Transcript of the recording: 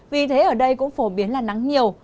vì thế ở đây cũng phổ biến là nắng nhiều